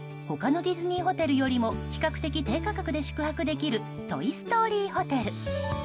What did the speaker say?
他のディズニーホテルよりも比較的、低価格で宿泊できるトイ・ストーリーホテル。